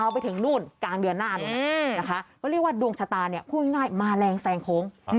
พูดง่ายมาแรงแทรงโค้ง